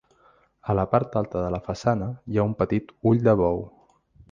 A la part alta de la façana hi ha un petit ull de bou.